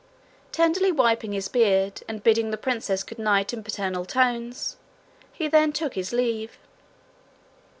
Tenderly wiping his beard, and bidding the princess good night in paternal tones, he then took his leave.